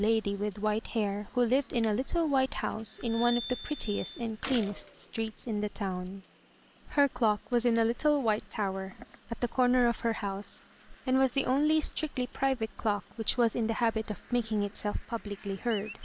lady with white hair, who lived in a little white house in one of the prettiest and cleanest streets in the town. 252 THE TREASURE CHEST Her clock was in a little white tower at the comer of her house, and was the only strictly private clock which was in the habit of making itself publicly heard.